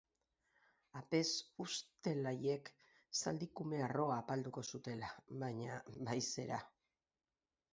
Apez ustel haiek zaldikume harroa apalduko zutela, baina bai zera!